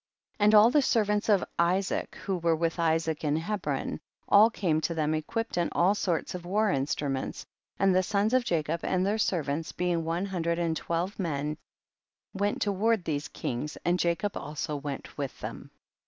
62. And all the servants of Isaac who were with Isaac in Hebron, all came to them equipped in all sorts of war instruments, and the sons of Jacob and their servants, being one hundred and twelve men, went to ward these kings, and Jacob also went with them.